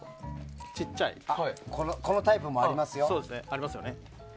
このタイプもありますよ。